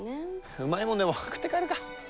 うまいもんでも食って帰るか。